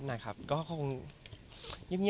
ถ้าเราจะโตรคนใหม่อย่างนี้